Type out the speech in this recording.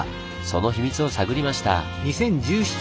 その秘密を探りました。